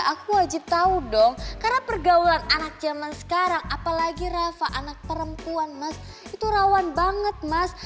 aku wajib tahu dong karena pergaulan anak zaman sekarang apalagi rafa anak perempuan mas itu rawan banget mas